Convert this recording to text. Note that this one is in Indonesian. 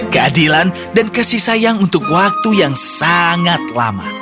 keadilan dan kasih sayang untuk waktu yang sangat lama